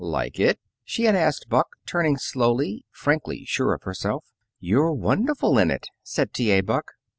"Like it?" she had asked Buck, turning slowly, frankly sure of herself. "You're wonderful in it," said T. A. Buck.